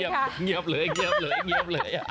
เงียบเลย